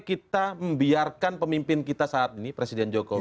kita akan beritahu terlebih dahulu